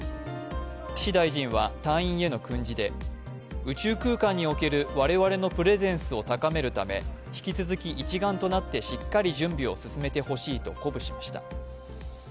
岸大臣は隊員への訓示で宇宙空間における我々のプレゼンスを高めるため引き続き一丸となってしっかり準備を進めてほしいと鼓舞しました。